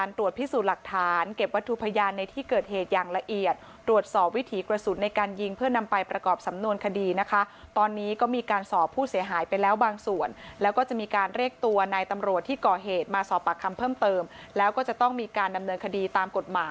เรื่องนี้นะไม่จริงจังนะหนูจะเป็นนั่งอยู่